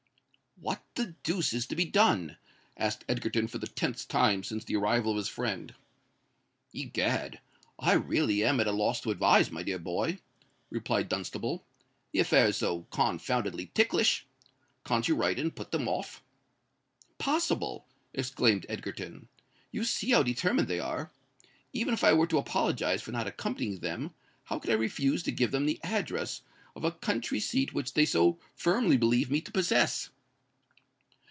"What the deuce is to be done?" asked Egerton for the tenth time since the arrival of his friend. "Egad! I really am at a loss to advise, my dear boy," replied Dunstable. "The affair is so confoundedly ticklish. Can't you write and put them off?" "Impossible!" exclaimed Egerton: "you see how determined they are. Even if I were to apologise for not accompanying them, how could I refuse to give them the address of a country seat which they so firmly believe me to possess?"